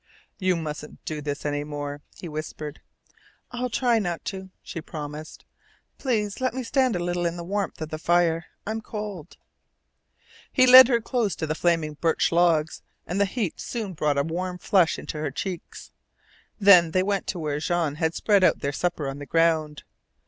"You mustn't do this any more," he whispered. "I'll try not to," she promised. "Please let me stand a little in the warmth of the fire. I'm cold." He led her close to the flaming birch logs and the heat soon brought a warm flush into her cheeks. Then they went to where Jean had spread out their supper on the ground.